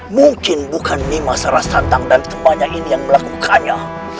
mungkin bukan nimasara santang dan temannya ini yang melakukannya